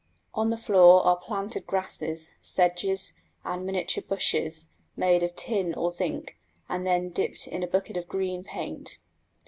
On the floor are planted grasses, sedges, and miniature bushes, made of tin or zinc and then dipped in a bucket of green paint.